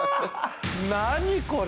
何これ！